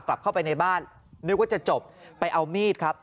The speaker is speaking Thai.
กลับเข้าไปในบ้านนึกว่าจะจบไปเอามีดครับ